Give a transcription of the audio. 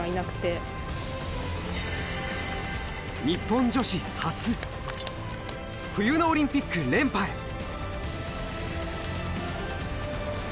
日本女子初冬のオリンピック連覇へ。